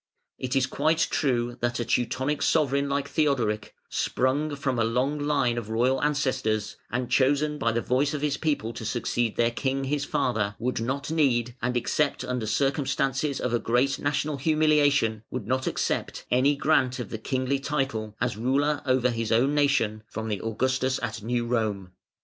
It is quite true that a Teutonic sovereign like Theodoric, sprung from a long line of royal ancestors, and chosen by the voice of his people to succeed their king, his father, would not need, and except under circumstances of great national humiliation would not accept, any grant of the kingly title, as ruler over his own nation, from the Augustus at New Rome.